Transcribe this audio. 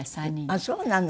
ああそうなの！